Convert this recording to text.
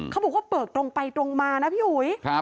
เขาบอกว่าเปิดตรงไปตรงมานะพี่อุ๋ย